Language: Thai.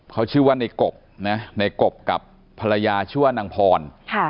เขาชื่อว่าในกบนะในกบกับภรรยาชื่อว่านางพร